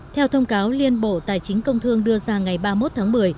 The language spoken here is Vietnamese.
theo thông cáo liên bộ tài chính công thương đưa ra ngày ba mươi một tháng một mươi